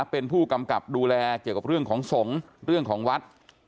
เป็นผู้กำกับดูแลเกี่ยวกับเรื่องของสงฆ์เรื่องของวัด